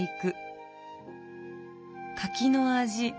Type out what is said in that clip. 柿の味